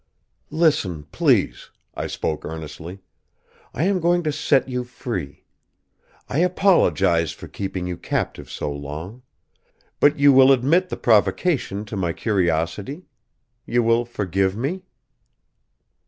"Listen, please," I spoke earnestly. "I am going to set you free. I apologize for keeping you captive so long! But you will admit the provocation to my curiosity? You will forgive me?"